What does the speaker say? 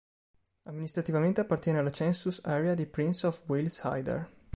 Amministrativamente appartiene alla Census Area di Prince of Wales-Hyder.